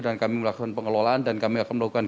dan kami melakukan pengelolaan dan kami akan melakukan